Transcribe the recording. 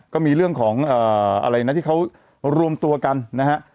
ก็มีเรื่องของอะไรนะที่เขารวมตัวกันนะฮะ